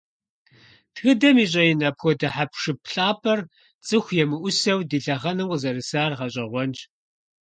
Тхыдэм и щIэин апхуэдэ хьэпшып лъапIэр, цIыху емыIусэу, ди лъэхъэнэм къызэрысар гъэщIэгъуэнщ.